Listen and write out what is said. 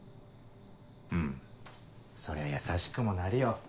うんそりゃ優しくもなるよ